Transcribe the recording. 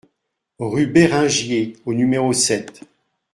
Rue Béringier au numéro sept